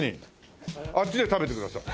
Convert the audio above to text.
あっちで食べてください。